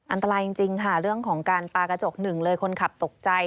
อันตรายจริงค่ะเรื่องของการปลากระจกหนึ่งเลยคนขับตกใจ